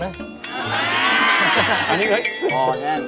อาหารการกิน